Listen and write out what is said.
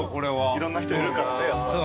いろんな人いるからねやっぱ。